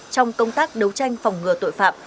trong công tác đấu tranh phòng ngừa tội phạm